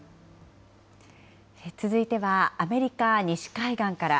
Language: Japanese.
続いてはアメリカ西海岸から。